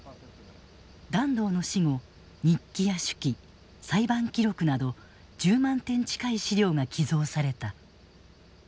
團藤の死後日記や手記裁判記録など１０万点近い資料が寄贈された。